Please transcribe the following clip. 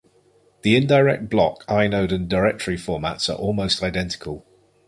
The indirect block, inode and directory formats are almost identical.